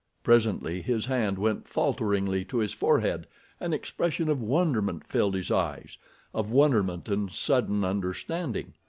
Presently his hand went falteringly to his forehead, an expression of wonderment filled his eyes—of wonderment and sudden understanding.